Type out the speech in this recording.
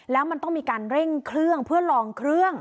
แล้วมันต้องมีการเร่งเครื่องเพื่อลองเครื่อง